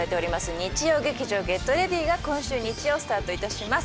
日曜劇場「ＧｅｔＲｅａｄｙ！」が今週日曜スタートいたします